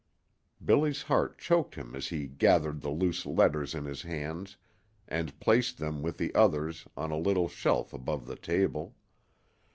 Billy's heart choked him as he gathered the loose letters in his hands and placed them, with the others, on a little shelf above the table.